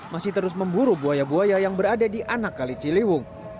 masih terus memburu buaya buaya yang berada di anak kali ciliwung